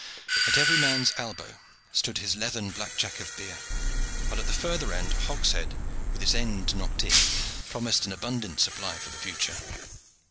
At every man's elbow stood his leathern blackjack of beer, while at the further end a hogshead with its end knocked in promised an abundant supply for the future.